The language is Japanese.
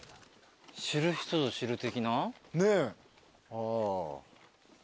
知る人ぞ知る的な？ねえ。